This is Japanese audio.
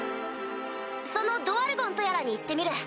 そのドワルゴンとやらに行ってみる。